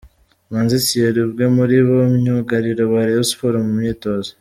Manzi Thierry, umwe muri ba myugariro ba Rayon sports mu myitozo.